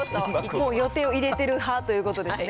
もう予定を入れてる派ということですね。